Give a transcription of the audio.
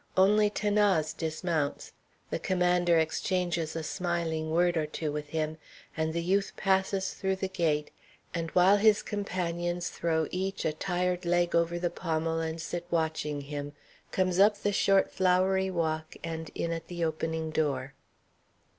Only 'Thanase dismounts. The commander exchanges a smiling word or two with him, and the youth passes through the gate, and, while his companions throw each a tired leg over the pommel and sit watching him, comes up the short, flowery walk and in at the opening door.